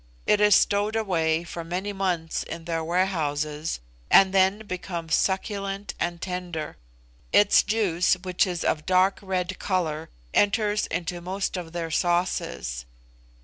It is stowed away for many months in their warehouses, and then becomes succulent and tender. Its juice, which is of dark red colour, enters into most of their sauces.